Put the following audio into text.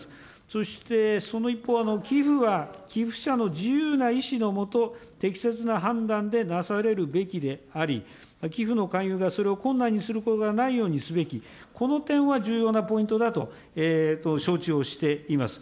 そしてその一方、寄付は寄付者の自由な意思の下、適切な判断でなされるべきであり、寄付の勧誘がそれを困難にすることがないようにすべき、この点は重要なポイントだと承知をしています。